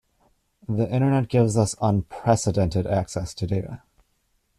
The internet gives us unprecedented access to data.